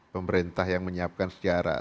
pemerintah yang menyiapkan secara